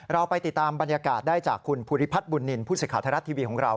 เราไปติดตามบรรยากาศได้จากคุณภูริพัฒน์บุญนินทร์ผู้สื่อข่าวไทยรัฐทีวีของเรา